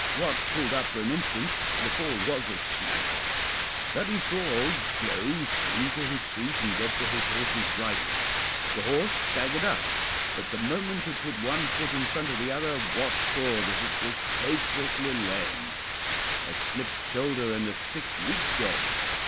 Wat pulled up for an instant, for the fall was a smasher; but he saw old Joe spring to his feet and get to his horse's bridle. The horse staggered up, but the moment it put one foot in front of the other, Wat saw that it was hopelessly lame a slipped shoulder and a six weeks' job.